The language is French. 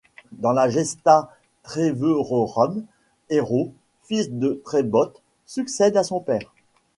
Dans la Gesta Treverorum, Hero, fils de Trebote, succède à son père.